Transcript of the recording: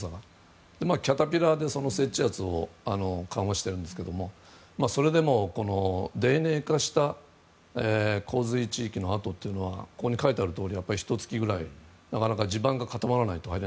キャタピラーでその接地圧を緩和しているんですけれどもそれでも泥濘化した洪水地域の跡というのはここに書いてある通りひと月ぐらいなかなか地盤が固まらないと。